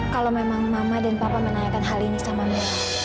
kalau memang mama dan papa menanyakan hal ini sama